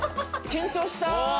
緊張した。